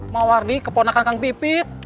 mawardi keponakan kang pipit